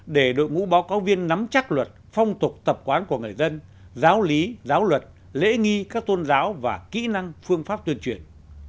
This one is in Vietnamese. để đội ngũ báo cáo viên nắm chắc luật phong tục tập quán của người dân giáo lý giáo luật lễ nghi các tôn giáo và kỹ năng phương pháp tuyên truyền